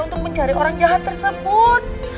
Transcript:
untuk mencari orang jahat tersebut